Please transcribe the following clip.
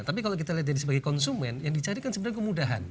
tapi kalau kita lihat dari sebagai konsumen yang dicari kan sebenarnya kemudahan